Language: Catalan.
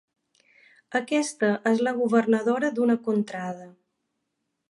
Aquesta és la governadora d'una contrada.